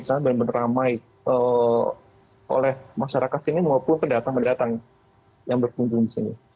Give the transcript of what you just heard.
sangat benar benar ramai oleh masyarakat sini maupun kedatang kedatang yang berkunjung di sini